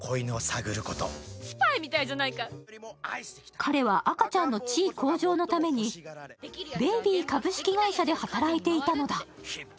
彼は赤ちゃんの地位向上のためにベイビー株式会社で働いていたのだ。